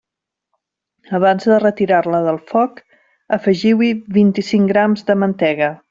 Abans de retirar-la del foc, afegiu-hi vint-i-cinc grams de mantega.